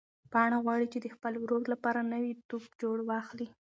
پاڼه غواړي چې د خپل ورور لپاره نوی توپ واخلي.